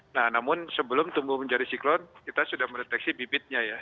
nah namun sebelum tumbuh menjadi siklon kita sudah mendeteksi bibitnya ya